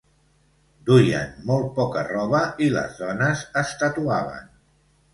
Duien molt poca roba i les dones es tatuaven.